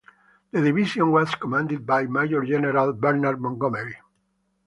The division was commanded by Major-General Bernard Montgomery.